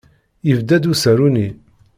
Yebda-d usaru-nni.